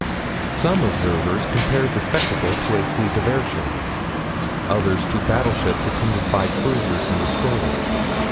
Some observers compared the spectacle to a fleet of airships: others to battleships attended by cruisers and destroyers.